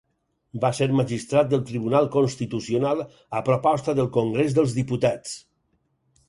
Va ser magistrat del Tribunal Constitucional a proposta del Congrés dels Diputats.